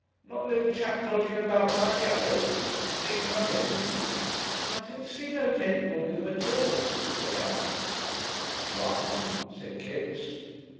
"Not a little chap dodgin' about be'ind the others? And didn't come in?" "I didn't see no gentleman with them at all," said Ann. "Rum!" said Kipps.